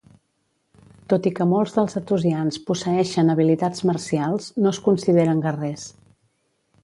Tot i que molts dels Athosians posseeixen habilitats marcials, no es consideren guerrers.